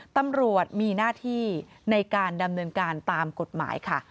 ตำรวจมีหน้าที่ในการดำเนินการตามกฎหมายค่ะ